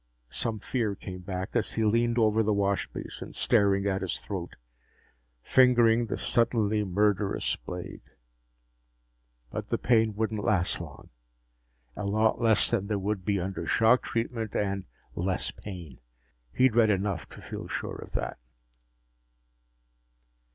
Some fear came back as he leaned over the wash basin, staring at his throat, fingering the suddenly murderous blade. But the pain wouldn't last long a lot less than there would be under shock treatment, and less pain. He'd read enough to feel sure of that.